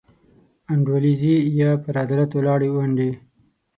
انډولیزي یا پر عدالت ولاړې ونډې.